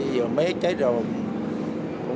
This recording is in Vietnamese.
giờ mê chết rồi